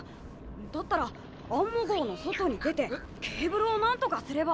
だったらアンモ号の外に出てケーブルをなんとかすれば。